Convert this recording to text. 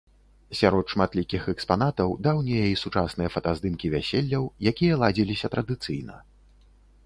Сярод шматлікіх экспанатаў даўнія і сучасныя фотаздымкі вяселляў, якія ладзіліся традыцыйна.